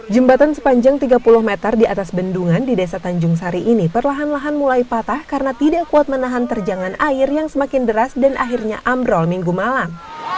jembatan sepanjang tiga puluh meter di atas bendungan di desa tanjung sari ini perlahan lahan mulai patah karena tidak kuat menahan terjangan air yang semakin deras dan akhirnya ambrol minggu malam